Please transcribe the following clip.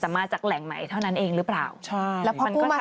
จะมาจากแหล่งใหม่เท่านั้นเองหรือเปล่ามันก็ทำให้มันเป็นหนี้ต่อเนื่อง